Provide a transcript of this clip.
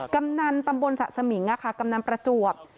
กำนันตำบลสะสมิงกำนันประจวบ